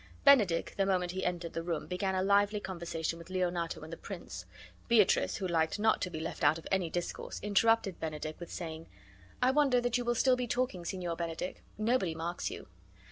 Benedick, the moment he entered the room, began a lively conversation with Leonato and the prince. Beatrice, who liked not to be left out of any discourse, interrupted Benedick with saying: "I wonder that you will still be talking, Signor Benedick. Nobody marks you."